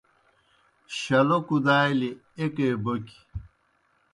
شلو کُدالیْ ایکے بوکیْ